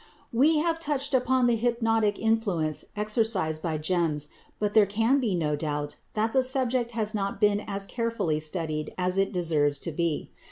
] We have touched upon the hypnotic influence exercised by gems, but there can be no doubt that the subject has not been as carefully studied as it deserves to be.